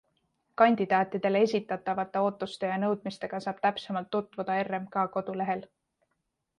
Kandidaatidele esitatavate ootuste ja nõudmistega saab täpsemalt tutvuda RMK kodulehel.